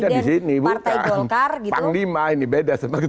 panglima ini beda sama ketua badan pemenangan pemenangan pemenangan pemenangan